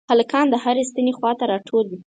هلکان د هرې ستنې خواته راټول وي.